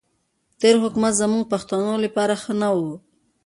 تېر حکومت زموږ پښتنو لپاره ښه نه وو.